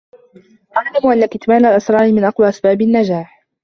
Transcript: اعْلَمْ أَنَّ كِتْمَانَ الْأَسْرَارِ مِنْ أَقْوَى أَسْبَابِ النَّجَاحِ